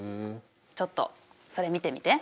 ちょっとそれ見てみて。